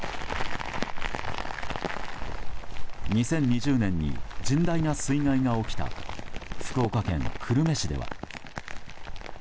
２０２０年に甚大な水害が起きた福岡県久留米市では。